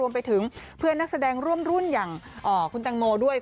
เพื่อนนักแสดงร่วมรุ่นอย่างคุณแตงโมด้วย